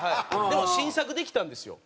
でも新作できたんですよ